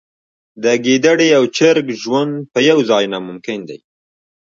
د ګیدړې او چرګ ژوند په یوه ځای ناممکن دی.